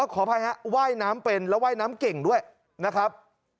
ขออภัยฮะว่ายน้ำเป็นแล้วว่ายน้ำเก่งด้วยนะครับ